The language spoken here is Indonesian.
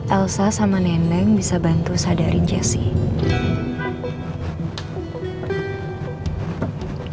elsa sama nenek bisa bantu sadarin jessy